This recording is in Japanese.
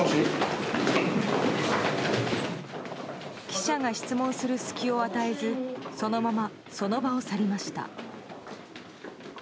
記者が質問する隙を与えずそのまま、その場を去りました。